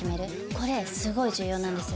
これすごい重要なんですよ。